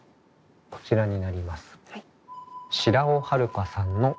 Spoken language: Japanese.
こちらになります。